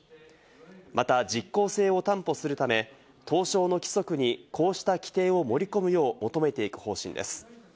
また実効性を担保するため、東証の規則にこうした規定を盛り込むよう求めていく方針です。